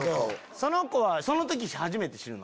その子はその時初めて知るの？